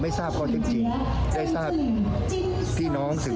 ในการพูดคุยทำความเข้าใจกับสกทั้ง๕๐เขต